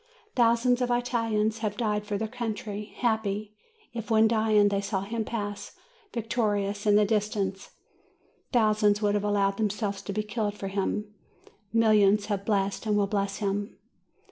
Thousands of Italians have died for their country, happy, if, when dying, they saw him pass victorious in the dis tance; thousands would have allowed themselves to be killed for him; millions have blessed and will bless him.